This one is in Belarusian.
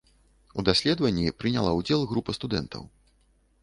У даследаванні прыняла ўдзел група студэнтаў.